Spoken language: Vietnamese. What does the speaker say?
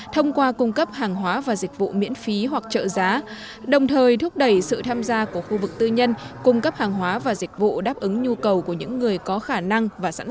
thông qua cung cấp hàng hóa và dịch vụ miễn phí hoặc trợ giá đồng thời thúc đẩy sự tham gia của khu vực tư nhân